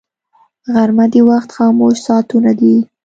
غرمه د وخت خاموش ساعتونه دي